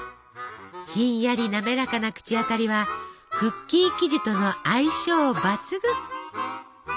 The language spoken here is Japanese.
ひんやりなめらかな口当たりはクッキー生地との相性抜群。